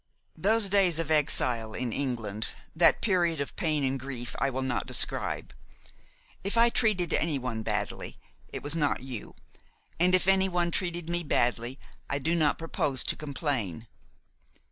"Those days of exile in England, that period of pain and grief, I will not describe. If I treated any one badly, it was not you; and if any one treated me badly, I do not propose to complain.